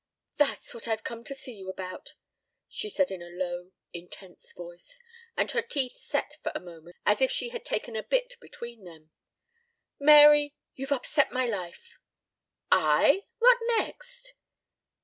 "That's what I've come to see you about," she said in a low intense voice, and her teeth set for a moment as if she had taken a bit between them. "Mary, you've upset my life." "I? What next!"